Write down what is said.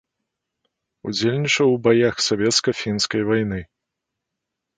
Удзельнічаў у баях савецка-фінскай вайны.